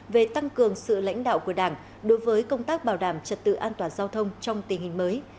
về tăng cường sự lãnh đạo của đảng đối với công tác bảo đảm trật tự an toàn giao thông trong tình hình mới